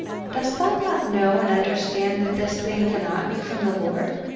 Dost thou not know and un derstand that this thing cannot be from the Lord